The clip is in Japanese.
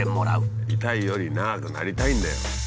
「痛い」より「長くなりたい」んだよ。